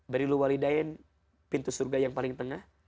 berilu walidayin pintu surga yang paling tengah